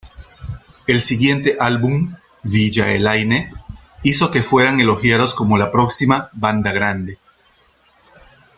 El siguiente álbum, "Villa Elaine", hizo que fueran elogiados como la próxima "banda grande".